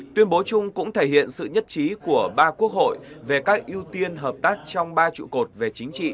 tuyên bố chung cũng thể hiện sự nhất trí của ba quốc hội về các ưu tiên hợp tác trong ba trụ cột về chính trị